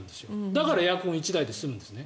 だからエアコン１台で済むんです。